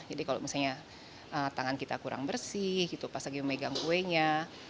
jadi kalau misalnya tangan kita kurang bersih pas lagi memegang kuenya